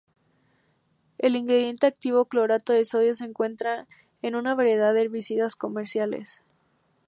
El ingrediente activo clorato de sodio se encuentra en una variedad de herbicidas comerciales.